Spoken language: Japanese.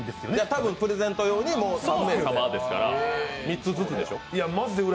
多分プレゼント用に３名様ですから３つずつでしょう。